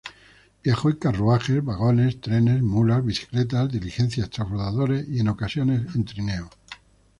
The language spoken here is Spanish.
Viajó en carruajes, vagones, trenes, mulas, bicicletas, diligencias, transbordadores y, en ocasiones, en trineos.